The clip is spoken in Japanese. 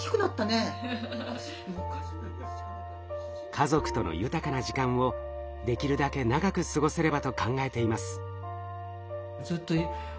家族との豊かな時間をできるだけ長く過ごせればと考えています。